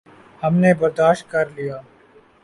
ہم نے برداشت کر لیا۔